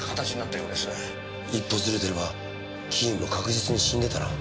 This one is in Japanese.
一歩ずれてれば議員も確実に死んでたな。